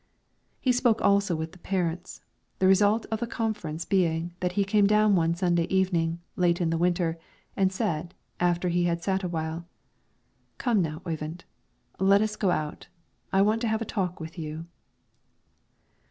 He spoke also with the parents, the result of the conference being that he came down one Sunday evening, late in the winter, and said, after he had sat a while, "Come now, Oyvind, let us go out; I want to have a talk with you."